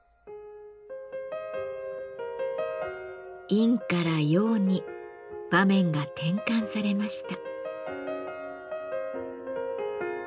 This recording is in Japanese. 「陰」から「陽」に場面が転換されました。